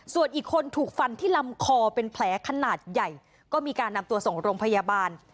ส่วนอีกคนถูกฟันที่ลำคอเป็นแผลขนาดใหญ่ก็มีการนำตัวส่งโรงพยาบาล